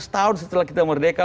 seratus tahun setelah kita merdeka